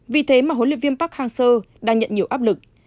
vì thế mà huấn luyện viên park hang seo đang nhận nhiều áp lực